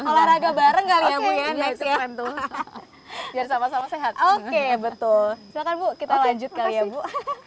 olahraga bareng kali ya bu